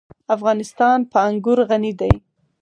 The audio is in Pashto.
افغانستان په انګور غني دی.